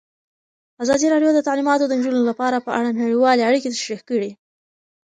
ازادي راډیو د تعلیمات د نجونو لپاره په اړه نړیوالې اړیکې تشریح کړي.